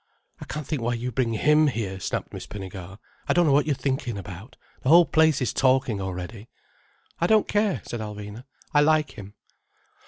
"I can't think why you bring him here," snapped Miss Pinnegar. "I don't know what you're thinking about. The whole place is talking already." "I don't care," said Alvina. "I like him."